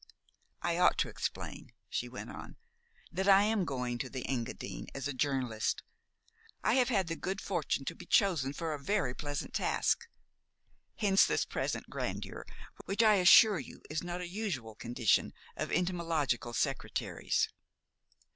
"I ought to explain," she went on, "that I am going to the Engadine as a journalist. I have had the good fortune to be chosen for a very pleasant task. Hence this present grandeur, which, I assure you, is not a usual condition of entomological secretaries."